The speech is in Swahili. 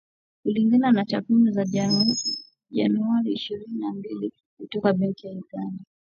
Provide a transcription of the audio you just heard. Kulingana na takwimu za Januari ishirini na ishirini na mbili kutoka Benki Kuu ya Uganda,